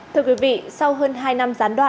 thưa quý vị sau hơn hai năm gián đoạn